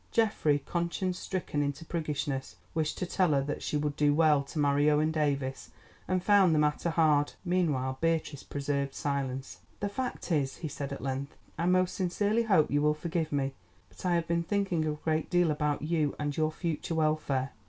Geoffrey, conscience stricken into priggishness, wished to tell her that she would do well to marry Owen Davies, and found the matter hard. Meanwhile Beatrice preserved silence. "The fact is," he said at length, "I most sincerely hope you will forgive me, but I have been thinking a great deal about you and your future welfare."